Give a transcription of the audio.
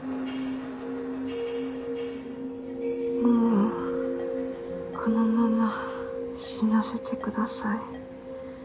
もうこのまま死なせてください。